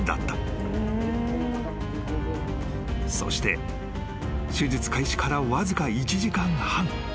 ［そして手術開始からわずか１時間半］